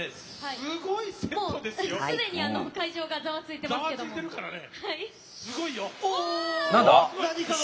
すでに会場がざわついていますけども。